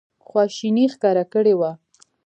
خواشیني ښکاره کړې وه.